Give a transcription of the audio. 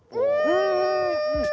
うん！